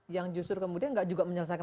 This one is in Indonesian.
yang justru kemudian nggak juga menyelesaikan